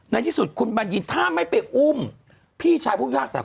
ในที่สุดคุณบัญญินถ้าไม่ไปอุ้มพี่ชายผู้พิพากษา